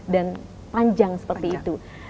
dan panjang seperti itu